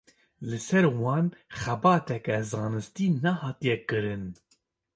Li ser wan xebateke zanistî nehatiye kirin.